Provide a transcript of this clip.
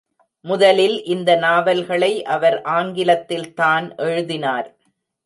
முதலில் இந்த நாவல்களை அவர் ஆங்கிலத்தில் தான் எழுதினார்.